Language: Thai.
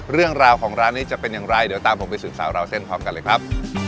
เรื่องราวของร้านนี้จะเป็นอย่างไรเดี๋ยวตามผมไปสืบสาวราวเส้นพร้อมกันเลยครับ